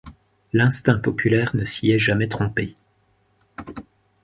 L’instinct populaire ne s’y est jamais trompé.